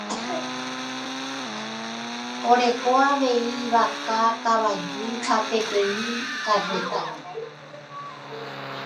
Oreko avei vaka, kavaju ha peteĩ karretami.